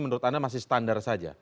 menurut anda masih standar saja